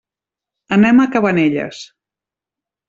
Anem a Cabanelles.